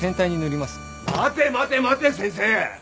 待て待て待て先生！